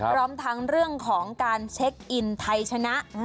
พร้อมทั้งเรื่องของการเช็คอินไทยชนะ